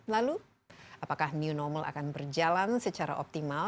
lalu apakah new normal akan berjalan secara optimal